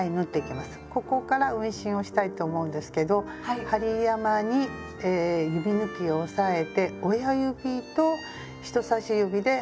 ここから運針をしたいと思うんですけど針山に指ぬきを押さえて親指と人さし指で針を上下に動かしていきます。